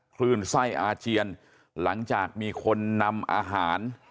คลื่นไส้อาเจียนหลังจากมีคนนำอาหาร